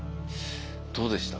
どうでしたか？